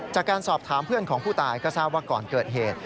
จากการสอบถามเพื่อนของผู้ตายก็ทราบว่าก่อนเกิดเหตุ